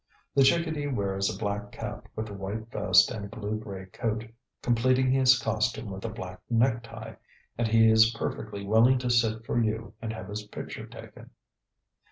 The chickadee wears a black cap with a white vest and a blue gray coat, completing his costume with a black necktie, and he is perfectly willing to sit for you and have his picture taken.